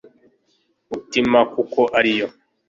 mutima, kuko ariyo